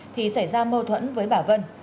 thì xảy ra mâu thuẫn với bà vân